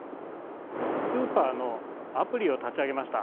スーパーのアプリを立ち上げました。